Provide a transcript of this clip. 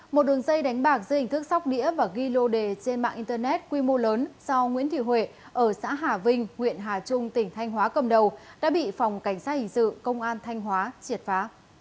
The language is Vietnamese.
một đường dây đánh bạc dưới hình thức sóc đĩa và ghi lô đề trên mạng internet quy mô lớn do nguyễn thị huệ ở xã hà vinh huyện hà trung tỉnh thanh hóa cầm đầu đã bị phòng cảnh sát hình sự công an thanh hóa triệt phá